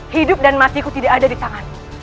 hidup dan matiku tidak ada di tanganmu